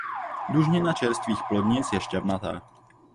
Dužnina čerstvých plodnic je šťavnatá.